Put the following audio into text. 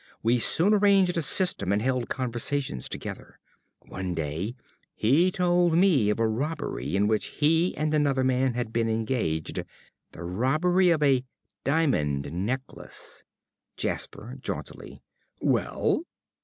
We soon arranged a system and held conversations together. One day he told me of a robbery in which he and another man had been engaged the robbery of a diamond necklace. ~Jasper~ (jauntily). Well?